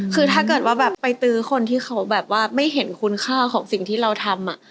คือถ้าเกิดว่าแบบไปตื้อคนที่เขาแบบว่าไม่เห็นคุณค่าของสิ่งที่เราทำ